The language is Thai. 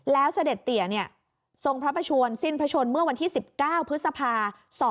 แล้วเสด็จเตี๋ยทรงพระประชวนสิ้นพระชนเมื่อวันที่๑๙พฤษภา๒๕๖